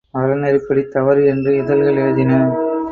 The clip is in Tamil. அறநெறிப்படி தவறு என்று இதழ்கள் எழுதின.